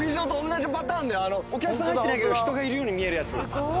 お客さん入ってないけど人がいるように見えるやつ。